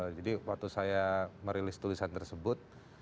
jadi waktu saya merilis tulisan tersebut